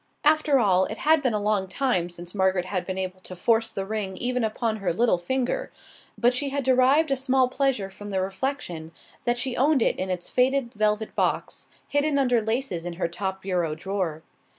After all, it had been a long time since Margaret had been able to force the ring even upon her little finger, but she had derived a small pleasure from the reflection that she owned it in its faded velvet box, hidden under laces in her top bureau drawer.